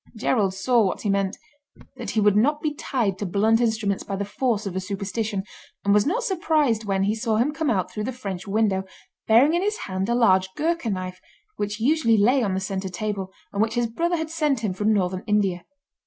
Gerald saw what he meant—that he would not be tied to blunt instruments by the force of a superstition, and was not surprised when he saw him come out through the French window, bearing in his hand a large Ghourka knife, which usually lay on the centre table, and which his brother had sent him from Northern India.